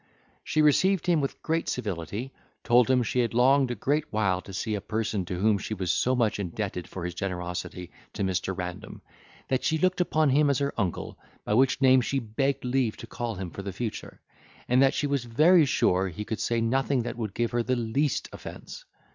She received him with great civility, told him she had longed a great while to see a person to whom she was so much indebted for his generosity to Mr. Random; that she looked upon him as her uncle, by which name she begged leave to call him for the future; and that she was very sure he could say nothing that would give her the least offence.